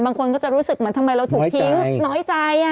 บางคนก็จะรู้สึกเหมือนทำไมเราถูกทิ้งน้อยใจ